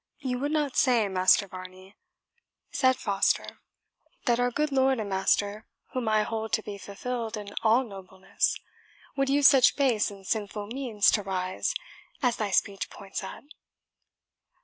"You would not say, Master Varney," said Foster, "that our good lord and master, whom I hold to be fulfilled in all nobleness, would use such base and sinful means to rise, as thy speech points at?"